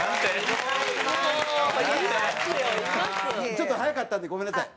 ちょっと早かったんでごめんなさい。